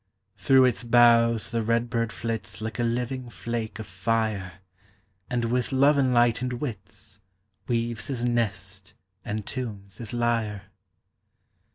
275 Through its boughs the red bird Hits Like a living flake of fire, And with love enlightened wits Weaves his nest and tunes his lyre.